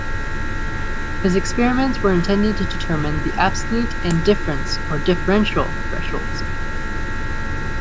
His experiments were intended to determine the absolute and difference, or differential, thresholds.